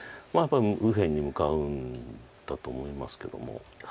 右辺に向かうんだと思いますけども。